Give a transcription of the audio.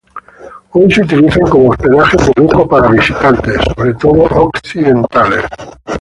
Hoy se utilizan como hospedajes de lujo para visitantes, sobre todo occidentales.